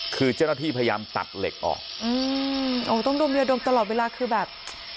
คือเจ้าหน้าที่พยายามตัดเหล็กออกอืมโอ้ต้องดมยาดมตลอดเวลาคือแบบ